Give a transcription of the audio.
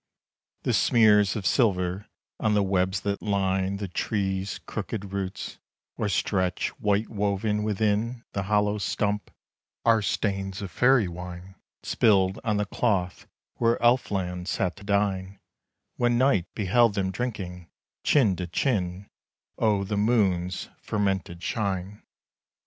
The smears of silver on the webs that line The tree's crook'd roots, or stretch, white wove, within The hollow stump, are stains of Faëry wine Spilled on the cloth where Elf land sat to dine, When night beheld them drinking, chin to chin, O' the moon's fermented shine.